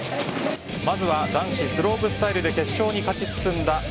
まずは男子スロープスタイルで決勝に勝ち進んだ